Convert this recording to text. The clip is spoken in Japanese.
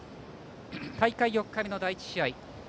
大会４日目の第１試合